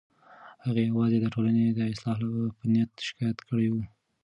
هغې یوازې د ټولنې د اصلاح په نیت شکایت کړی و.